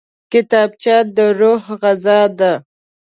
کتابچه د روح غذا ده